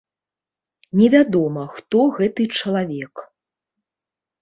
Невядома, хто гэты чалавек.